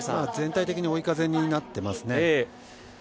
全体的に追い風になっていますね。